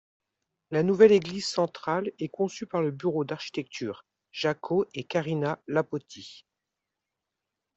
La nouvelle église Centrale est conçu par le bureau d'architecture, Jaakko et Kaarina Laapotti.